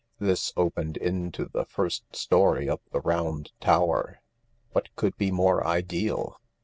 This opened into the first storey of the round tower. What could be more ideal